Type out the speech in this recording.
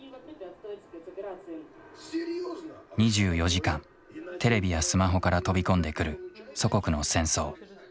２４時間テレビやスマホから飛び込んでくる祖国の戦争。